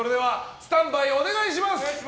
スタンバイお願いします。